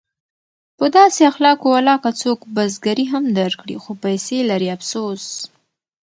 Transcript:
په داسې اخلاقو ولاکه څوک بزګري هم درکړي خو پیسې لري افسوس!